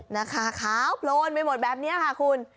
นะคะขาวโพลนไปหมดแบบนี้ค่ะคุณ